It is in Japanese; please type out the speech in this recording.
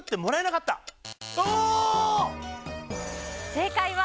正解は。